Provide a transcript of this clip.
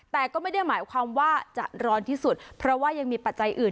แต่ก็ไม่ได้หมายความว่าจะร้อนที่สุดเพราะว่ายังมีปัจจัยอื่น